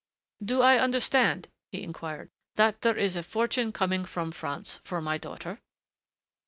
"Do I understand," he inquired, "that there is a fortune coming from France for my daughter?"